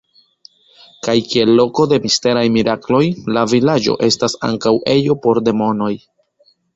Kaj kiel loko de misteraj mirakloj la vilaĝo estas ankaŭ ejo por demonoj.